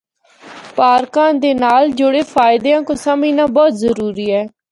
پارکاں دے نال جڑے فائدیاں کو سمجھنا بہت ضروری ہے۔